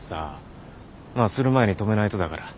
まあする前に止めないとだから。